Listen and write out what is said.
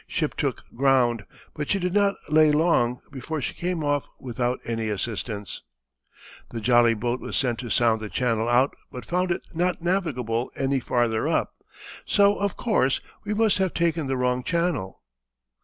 Ship took ground, but she did not lay long before she came off without any assistance. "The jolly boat was sent to sound the channel out but found it not navigable any farther up; so, of course, we must have taken the wrong channel.